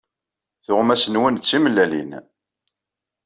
Tuɣmas-nwen d timellalin.